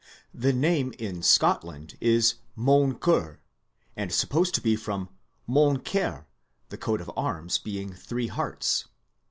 The name in Scotland is Moncur, and supposed to be from ^^ mon comr^'' the coat of arms being three hearts.